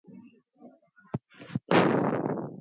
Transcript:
mto ruaha unapita kwenye tambarare za kilombero